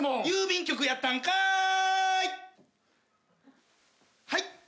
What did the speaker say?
郵便局やったんかーい！